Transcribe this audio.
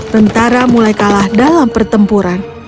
tentara mulai kalah dalam pertempuran